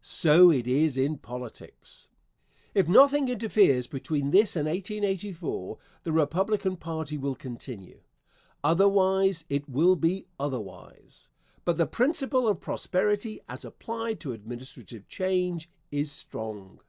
So it is in politics. If nothing interferes between this and 1884, the Republican party will continue. Otherwise it will be otherwise. But the principle of prosperity as applied to administrative change is strong.